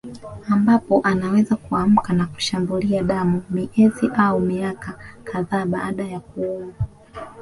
Ambapo anaweza kuamka na kushambulia damu miezi au miaka kadhaa baada ya kuumwa